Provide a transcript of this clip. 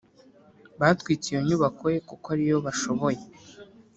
Batwitse iyo nyubako ye kuko ariyo bashoboye